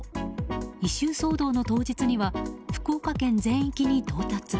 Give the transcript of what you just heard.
異臭騒動の当日には福岡県全域に到達。